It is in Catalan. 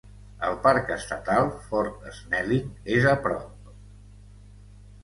El parc estatal Fort Snelling és a prop.